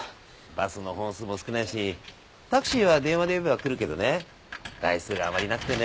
バスの本数も少ないしタクシーは電話で呼べば来るけどね台数があまりなくてね。